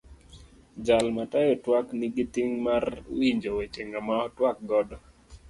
Jal matayo twak nigi ting' mar winjo weche ng'ama otwak godo.